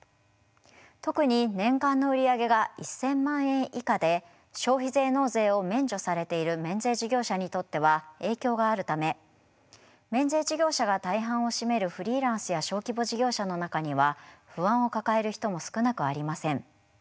特に年間の売り上げが１，０００万円以下で消費税納税を免除されている免税事業者にとっては影響があるため免税事業者が大半を占めるフリーランスや小規模事業者の中には不安を抱える人も少なくありません。